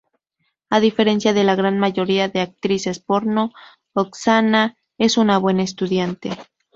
A diferencia de la gran mayoría de actrices porno, Oksana es una buena estudiante.